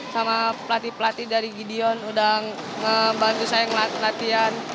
sama pelatih pelatih dari gideon sudah membantu saya melatih